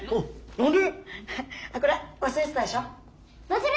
何で？